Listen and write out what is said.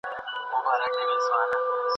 د ساینس په برخه کي ګډ کار کېږي.